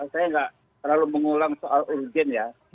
saya nggak terlalu mengulang soal urgen ya